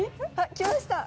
来ました！